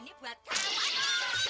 ya allah ini daganganku